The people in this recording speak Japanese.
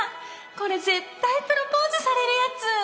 これ絶対プロポーズされるやつ！